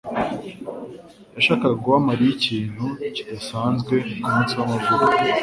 yashakaga guha Mariya ikintu kidasanzwe kumunsi w'amavuko.